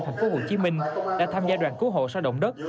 thành phố hồ chí minh đã tham gia đoàn cứu hộ sau động đất